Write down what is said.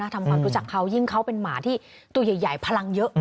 ทำความรู้จักเขายิ่งเขาเป็นหมาที่ตัวใหญ่พลังเยอะ